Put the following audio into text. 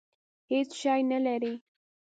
هېڅ شی نه لري.